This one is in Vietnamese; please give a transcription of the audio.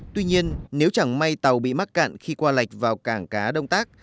tuy nhiên nếu chẳng may tàu bị mắc cạn khi qua lạch vào cảng cá đông tác